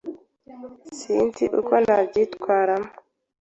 Sinzi uko nabyitwaramo.